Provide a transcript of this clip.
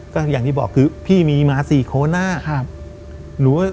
ก็อย่างที่บอกคือพี่มีมา๔คนนะครับ